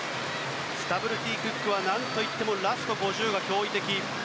スタブルティ・クックは何といってもラスト５０が驚異的。